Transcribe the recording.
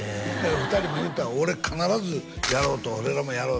２人も言うてたわ「俺必ずやろう」と「俺らもやろう」